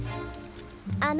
あの。